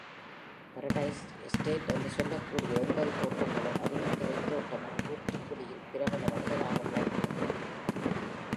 Paradise estate என்று சொல்லக்கூடிய ஒன்பது தோட்டங்களும், அருவிக் கரைத்தோட்டமும், தூத்துக்குடியில் பிரபல வணிகராக விளங்கிய சி.